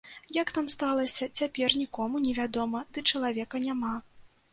Як там сталася, цяпер нікому не вядома, ды чалавека няма.